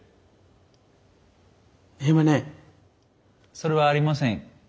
それはありません。